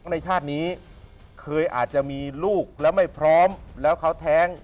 ในชาตินี้เคยอาจจะมีลูกแล้วไม่พร้อมแล้วเขาแท้ง